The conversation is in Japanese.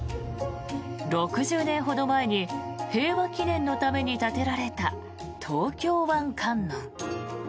６０年ほど前に平和祈念のために建てられた東京湾観音。